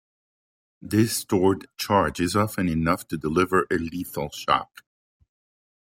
This stored charge is often enough to deliver a lethal shock.